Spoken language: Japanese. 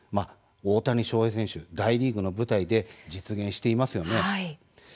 大谷翔平選手、大リーグの舞台で実現していますよね。